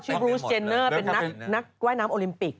ที่บรูซเจนเนอร์ในนักว่ายน้ำโอลิมปิค